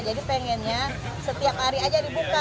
jadi pengennya setiap hari saja dibuka